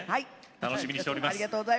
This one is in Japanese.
楽しみにしております。